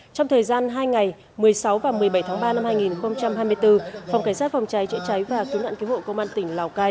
trong thời gian hai ngày một mươi sáu và một mươi bảy tháng ba năm hai nghìn hai mươi bốn phòng cảnh sát phòng cháy chữa cháy và cứu nạn cứu hộ công an tỉnh lào cai